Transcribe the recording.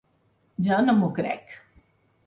Jo no m’ho crec.